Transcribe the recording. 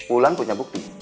ulan punya bukti